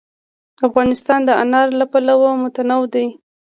افغانستان د انار له پلوه متنوع دی.